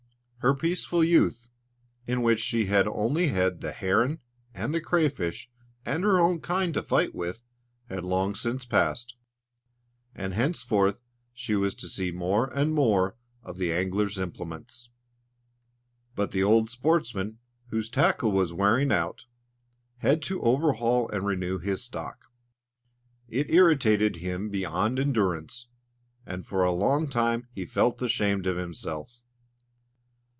Her peaceful youth, in which she had only had the heron and the crayfish and her own kind to fight with, had long since passed, and henceforth she was to see more and more of the angler's implements. But the old sportsman, whose tackle was wearing out, had to overhaul and renew his stock. It irritated him beyond endurance, and for a long time he felt ashamed of himself.